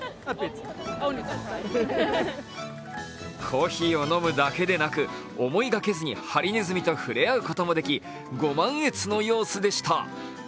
コーヒーを飲むだけでなく、思いがけずにハリネズミと触れ合うこともでき、ご満悦の様子でした。